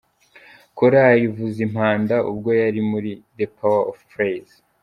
Korali Vuzimpanda ubwo yari muri The Power of praise.